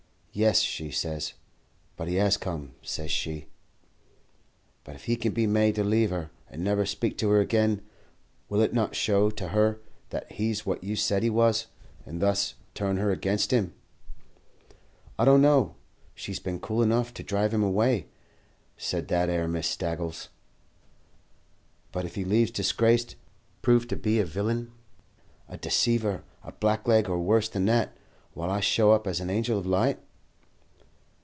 "'Yes,' she says, 'but he has come,' says she. "'But if he can be made to leave her, and never speak to her again, will it not show to her that he's what you said he was, and thus turn her against him?' "'I don't know. She's been cool enough to drive him away,' said that 'ere Miss Staggles. "'But if he leaves disgraced, proved to be a villain, a deceiver, a blackleg, or worse than that, while I show up as an angel of light?'